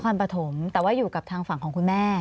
ปฐมแต่ว่าอยู่กับทางฝั่งของคุณแม่